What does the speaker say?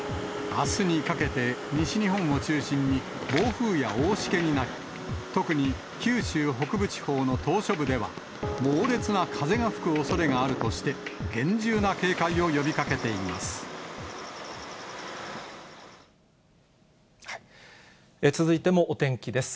あすにかけて西日本を中心に、暴風や大しけになり、特に九州北部地方の島しょ部では、猛烈な風が吹くおそれがあるとして、厳重な警戒を呼びかけています。